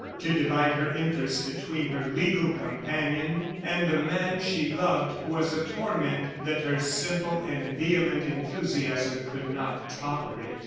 To divide her interest between her legal companion and the man she loved was a torment that her simple and vehement enthusiasm could not tolerate.